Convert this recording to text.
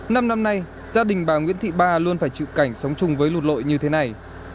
năm năm nay gia đình bà nguyễn thị ba luôn phải chịu cảnh sống chung với lụt lội như thế này